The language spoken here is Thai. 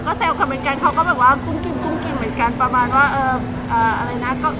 ก็ถามก็แซวเขาเหมือนกันเขาก็แบบว่ากุ้งกินเกินกินเหมือนกันประมาณว่าเอ่ออะไรนะ